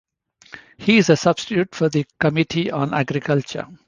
He is a substitute for the Committee on Agriculture.